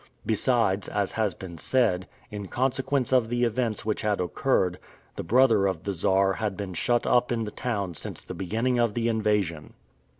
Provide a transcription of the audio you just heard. Besides, as has been said, in consequence of the events which had occurred, the brother of the Czar had been shut up in the town since the beginning of the invasion.